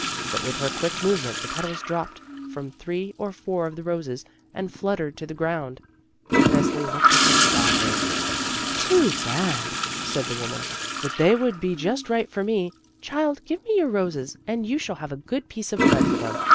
But with her quick movement the petals dropped from three or four of the roses and fluttered to the groimd. Resli looked at them sadly. "Too bad," said the woman, "but they would be just right for me. Child, give me your roses and you shall have a good piece of bread for them.